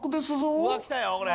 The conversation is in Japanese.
うわあきたよこれ。